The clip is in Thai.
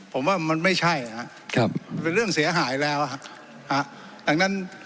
ทำข่าวอย่างไรครับ